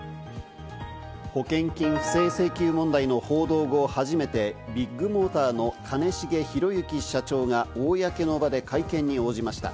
保険金不正請求問題の報道後、初めてビッグモーターの兼重宏行社長が公の場で会見に応じました。